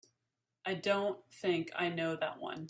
I don't think I know that one.